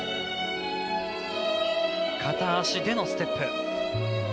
片足でのステップ。